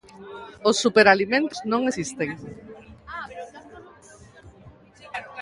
Os superalimentos non existen.